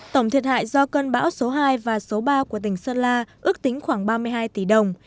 tổng thiệt hại do cơn bão số hai và số ba của tỉnh sơn la ước tính khoảng ba mươi hai tỷ đồng